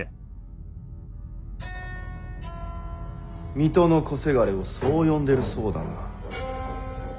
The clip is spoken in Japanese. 水戸の小せがれをそう呼んでるそうだな。